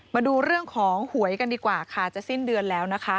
มาดูเรื่องของหวยกันดีกว่าค่ะจะสิ้นเดือนแล้วนะคะ